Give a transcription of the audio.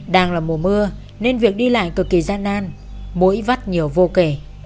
đang là mùa mưa nên việc đi lại cực kỳ gian nan mỗi vắt nhiều vô kể